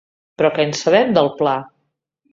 Però què en sabem del pla?